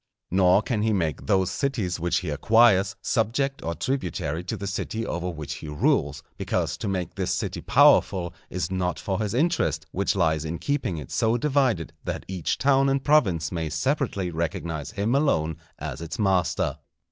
Nor can he make those cities which he acquires, subject or tributary to the city over which he rules; because to make this city powerful is not for his interest, which lies in keeping it so divided that each town and province may separately recognize him alone as its master.